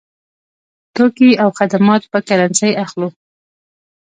توکي او خدمات په کرنسۍ اخلو.